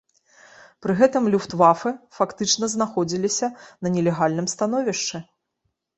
Пры гэтым люфтвафэ фактычна знаходзіліся на нелегальным становішчы.